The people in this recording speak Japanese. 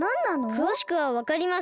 くわしくはわかりません。